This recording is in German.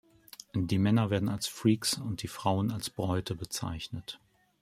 Die Männer werden als Freaks und die Frauen als Bräute bezeichnet.